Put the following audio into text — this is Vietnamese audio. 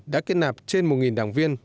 đã kết nạp trên một đảng viên